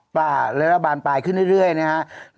ป่าแล้วบานปลายขึ้นเรื่อยนะครับ